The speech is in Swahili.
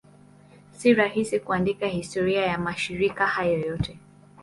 Si rahisi kuandika historia ya mashirika hayo yote.